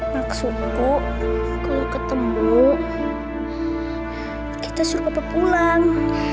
maksudku kalau ketemu kita suruh papa pulang